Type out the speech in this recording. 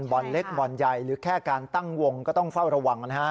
บ่อนเล็กบ่อนใหญ่หรือแค่การตั้งวงก็ต้องเฝ้าระวังนะฮะ